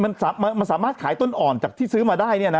มันสามารถขายต้นอ่อนจากที่ซื้อมาได้เนี่ยนะ